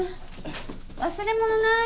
忘れ物ない？